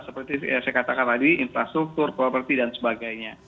seperti saya katakan tadi infrastruktur properti dan sebagainya